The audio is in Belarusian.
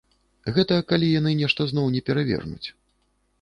Гэта калі яны нешта зноў не перавернуць.